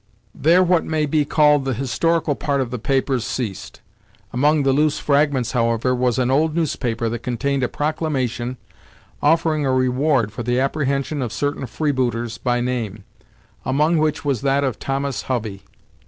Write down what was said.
There what may be called the historical part of the papers ceased. Among the loose fragments, however, was an old newspaper that contained a proclamation offering a reward for the apprehension of certain free booters by name, among which was that of Thomas Hovey.